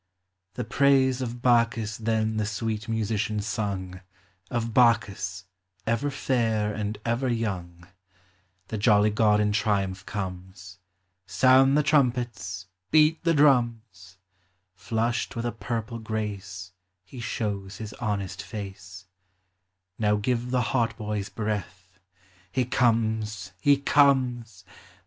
The praise of Bacchus then the sweet musician sung, Of Bacchus — ever fair and ever young: The jolly god in triumph comes ; Sound the trumpets ; beat the drums: Flushed with a purple grace He shows his honest face : Now give the hautboys breath. He comes ! he comes